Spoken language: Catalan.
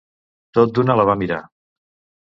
Tot d'una la va mirar.